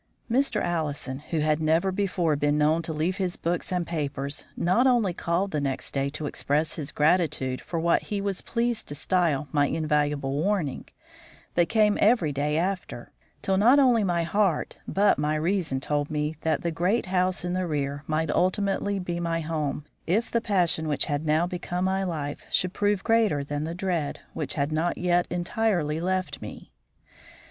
Mr. Allison, who had never before been known to leave his books and papers, not only called the next day to express his gratitude for what he was pleased to style my invaluable warning, but came every day after, till not only my heart but my reason told me that the great house in the rear might ultimately be my home, if the passion which had now become my life should prove greater than the dread which had not yet entirely left me.